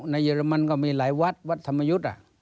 เยอรมันก็มีหลายวัดวัดธรรมยุทธ์